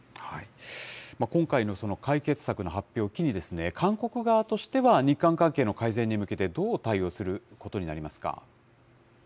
今回の解決策の発表を機に、韓国側としては日韓関係の改善に向けて、どう対応することになりますか。